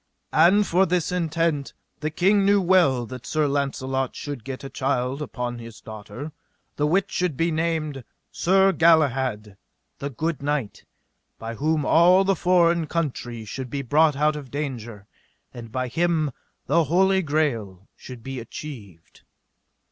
And for this intent: the king knew well that Sir Launcelot should get a child upon his daughter, the which should be named Sir Galahad the good knight, by whom all the foreign country should be brought out of danger, and by him the Holy Greal should be achieved.